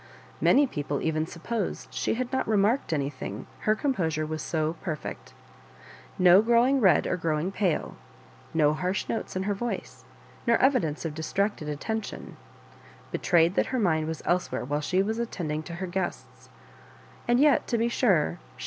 Many people even supposed she had not remarked any llmg, her composure was so perfect. No grow ing red or growing pale, no harsh notes in her yoipe, nop evi4eijpe pf distracted attention, be trayed that her mind was elsewhere while she was attending to her guests ; and yet, to be sure, 9he